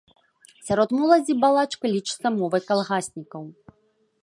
Сярод моладзі балачка лічыцца мовай калгаснікаў.